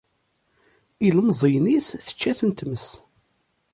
Ilemẓiyen-is tečča-ten tmes.